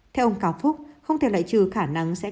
theo ông cao phúc không thể lại trừ khả năng sẽ có